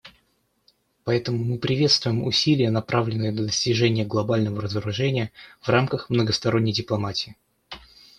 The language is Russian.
Поэтому мы приветствуем усилия, направленные на достижение глобального разоружения в рамках многосторонней дипломатии.